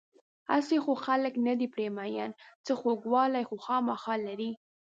هسې خو خلک نه دي پرې مین، څه خوږوالی خو خوامخا لري.